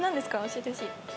教えてほしい。